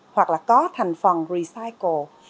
hoặc là có thành phần recycle